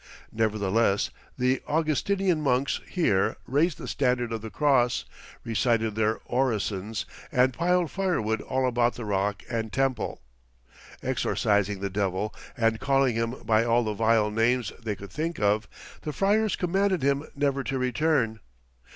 Nevertheless, the Augustinian monks here raised the standard of the cross, recited their orisons, and piled firewood all about the rock and temple. Exorcising the Devil and calling him by all the vile names they could think of, the friars commanded him never to return.